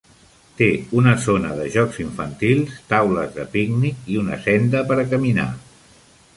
Té una zona de jocs infantils, taules de pícnic i una senda per a caminar.